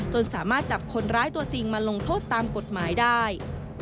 สามารถจับคนร้ายตัวจริงมาลงโทษตามกฎหมายได้